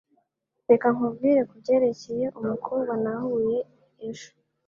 Reka nkubwire kubyerekeye umukobwa nahuye ejo.